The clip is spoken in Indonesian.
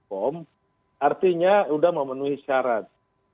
nah pertanyaannya kan kemudian ternyata obat ini bukan saja tidak memenuhi syarat